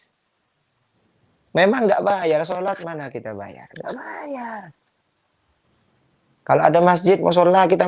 hai mesmo enggak bayar sholat mana kita bayar banyakoh kalau ada masih turun mucholah kita